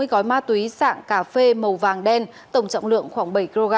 hai trăm sáu mươi gói ma túy sạng cà phê màu vàng đen tổng trọng lượng khoảng bảy kg